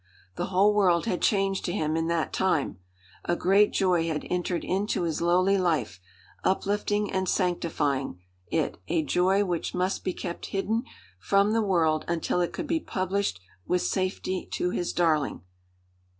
The whole world had changed to him in that time. A great joy had entered into his lowly life, uplifting and sanctifying it, a joy which must be kept hidden from the world until it could be published with safety to his darling.